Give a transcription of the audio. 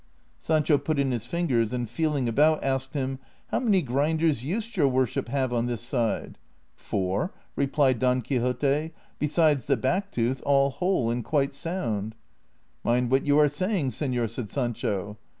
Sancho put in his fingers, and feeling about asked him, " How many grinders used your worship have on this side ?"" Four," replied Don Quixote, " besides the back tooth, all whole and quite sound." " Mind what you are saying, senor," said Sancho.